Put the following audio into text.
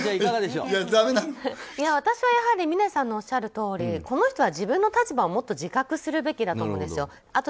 私は峰さんのおっしゃるとおりこの人は自分の立場を、もっと自覚するべきだと思うんですよ。